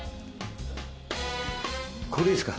ここでいいですか。